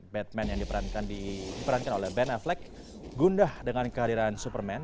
batman yang diperankan oleh band efflex gundah dengan kehadiran superman